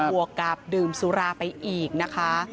วกกับดื่มสุราไปอีกนะคะ